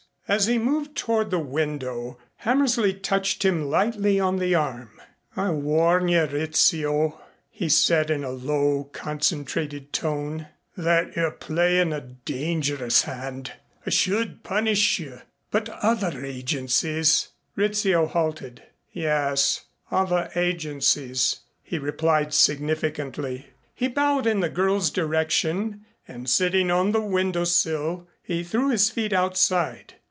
As he moved toward the window Hammersley touched him lightly on the arm. "I warn you, Rizzio," he said in a low concentrated tone, "that you're playing a dangerous hand. I should punish you but other agencies " Rizzio halted. "Yes, other agencies " he replied significantly. He bowed in the girl's direction and sitting on the window sill he threw his feet outside.